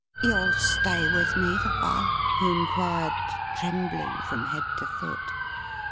You'll stay with me the while?" he enquired, trembling from head to foot.